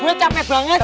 gue capek banget